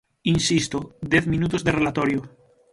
Insisto, dez minutos de relatorio.